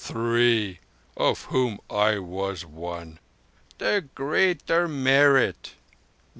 Three. Of whom I was one." "The greater merit."